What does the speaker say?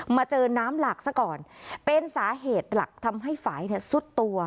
มาเจอน้ำหลากซะก่อนเป็นสาเหตุหลักทำให้ฝ่ายเนี่ยซุดตัว